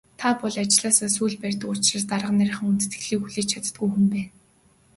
Та бол ажлаараа сүүл барьдаг учраас дарга нарынхаа хүндэтгэлийг хүлээж чаддаггүй хүн байна.